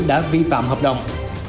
đã vi phạm hợp đồng